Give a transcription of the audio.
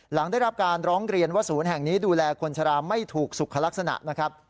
หลังได้รับการร้องเรียนว่าศูนย์แห่งนี้ดูแลคนชะลาไม่ถูกสุขลักษณะนะครับ